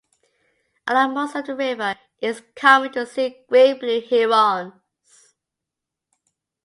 Along most of the river it is common to see great blue herons.